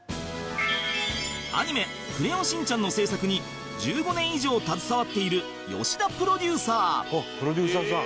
アニメ『クレヨンしんちゃん』の制作に１５年以上携わっている吉田プロデューサー